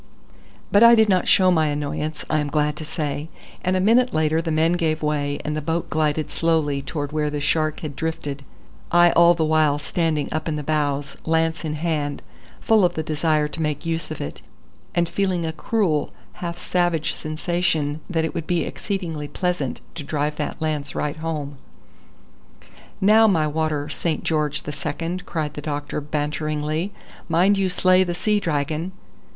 But I did not show my annoyance, I am glad to say; and a minute later the men gave way, and the boat glided slowly towards where the shark had drifted I all the while standing up in the bows, lance in hand, full of the desire to make use of it, and feeling a cruel, half savage sensation that it would be exceedingly pleasant to drive that lance right home. "Now my water Saint George the Second," cried the doctor banteringly; "mind you slay the sea dragon."